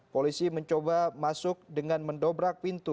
polisi mencoba masuk dengan mendobrak pintu